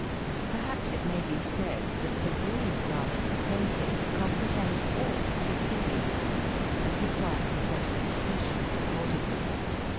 Perhaps it may be said that the rule last stated com prehends all preceding rules and requires exemplifica tion accordingly.